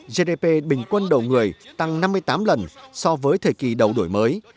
gdp bình quân đầu người tăng năm mươi tám lần so với thời kỳ đầu đổi mới